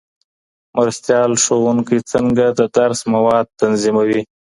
مرستيال ښوونکی څنګه د درس مواد تنظیموي؟